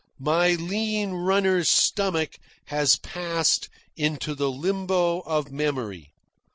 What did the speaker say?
My lean runner's stomach has passed into the limbo of memory.